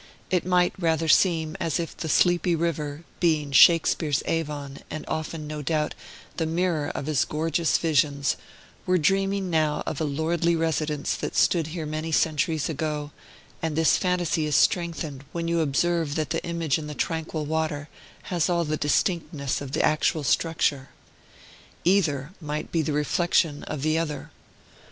It might rather seem as if the sleepy river (being Shakespeare's Avon, and often, no doubt, the mirror of his gorgeous visions) were dreaming now of a lordly residence that stood here many centuries ago; and this fantasy is strengthened, when you observe that the image in the tranquil water has all the distinctness of the actual structure. Either might be the reflection of the other.